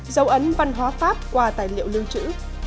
dấu ấn văn hóa pháp qua tài liệu lưu trữ